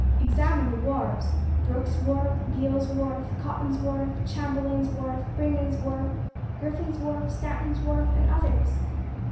Examine the wharves Brooks' Wharf, Beal's Wharf, Cotton's Wharf, Chamberlain's Wharf, Freeman's Wharf, Griffin's Wharf, Stanton's Wharf, and others.